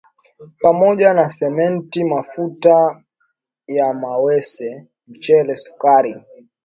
pamoja na Simenti, mafuta ya mawese, mchele, sukari